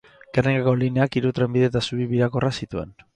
Gernikako lineak hiru trenbide eta zubi birakorra zituen.